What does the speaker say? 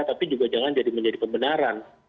tapi juga jangan jadi menjadi pembenaran